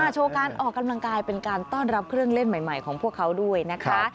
โชว์การออกกำลังกายเป็นการต้อนรับเครื่องเล่นใหม่ของพวกเขาด้วยนะคะ